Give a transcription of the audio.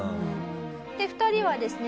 で２人はですね